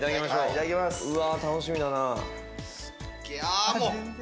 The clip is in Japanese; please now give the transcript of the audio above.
うわぁ楽しみだな。